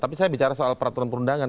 tapi saya bicara soal peraturan perundangan